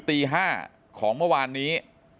ตี๕ของเมื่อวานนี้